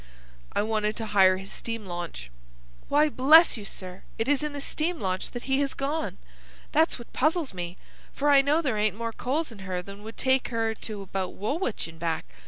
"I wanted to hire his steam launch." "Why, bless you, sir, it is in the steam launch that he has gone. That's what puzzles me; for I know there ain't more coals in her than would take her to about Woolwich and back.